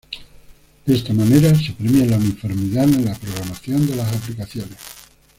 De esta manera se premia la uniformidad en la programación de las aplicaciones.